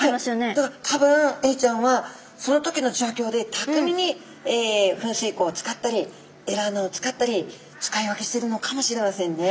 だから多分エイちゃんはその時のじょうきょうでたくみに噴水孔を使ったりエラ穴を使ったり使い分けしてるのかもしれませんね。